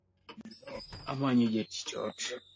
Amanyo jatiij ot